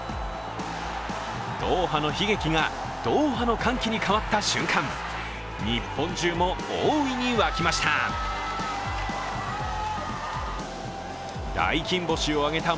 ドーハの悲劇がドーハの歓喜に変わった瞬間、日本中も大いに沸きました。